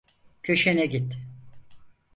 Köşene git.